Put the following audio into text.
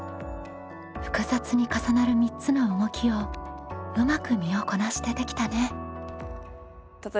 複雑に重なる３つの動きをうまく身をこなしてできたね。